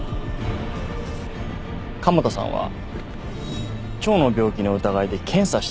加茂田さんは腸の病気の疑いで検査してたんです。